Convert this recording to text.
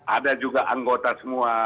ada juga anggota semua